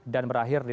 dan berakhir di nasdem